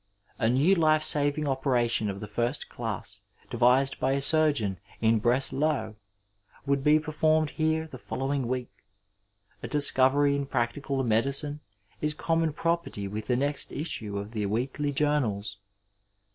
A new lifesaving oper ation of the first class devised by a surgeon in Breslau would be performed here the following week. A discovery in practical medicine is conmion property with the next issue of the weekly journals.